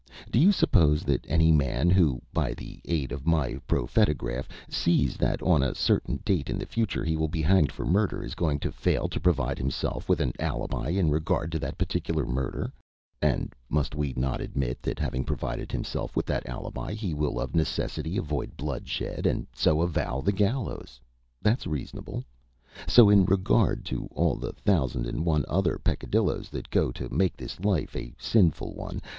Do you suppose that any man who, by the aid of my prophetograph, sees that on a certain date in the future he will be hanged for murder is going to fail to provide himself with an alibi in regard to that particular murder, and must we not admit that having provided himself with that alibi he will of necessity avoid bloodshed, and so avoid the gallows? That's reasonable. So in regard to all the thousand and one other peccadilloes that go to make this life a sinful one.